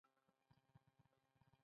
او پۀ دغه وجه پۀ منشي مشهور شو ۔